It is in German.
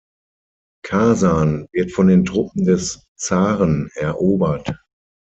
Kasan wird von den Truppen des Zaren erobert.